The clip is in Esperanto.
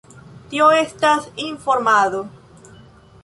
Tio estas informado.